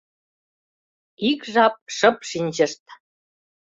Ик жап шып шинчышт.